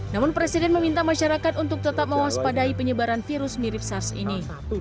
namun presiden meminta masyarakat untuk tetap mewaspadai penyebaran virus mirip sars ini